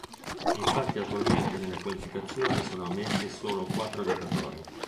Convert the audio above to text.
Infatti attualmente nelle qualificazioni sono ammessi solo quattro giocatori.